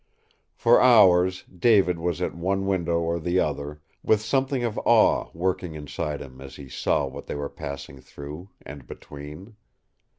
For hours David was at one window or the other, with something of awe working inside him as he saw what they were passing through and between.